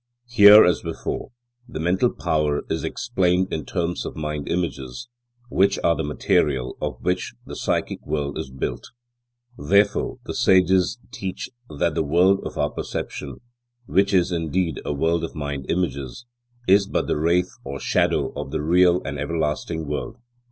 Here, as before, the mental power is explained in terms of mind images, which are the material of which the psychic world is built, Therefore the sages teach that the world of our perception, which is indeed a world of mind images, is but the wraith or shadow of the real and everlasting world.